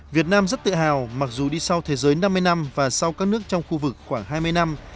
việt nam rất tự hào mặc dù đi sau thế giới năm mươi năm và sau các nước trong khu vực khoảng hai mươi năm